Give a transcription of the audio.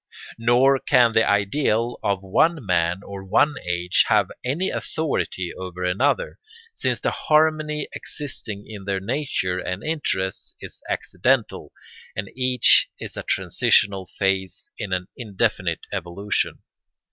Nor can the ideal of one man or one age have any authority over another, since the harmony existing in their nature and interests is accidental and each is a transitional phase in an indefinite evolution.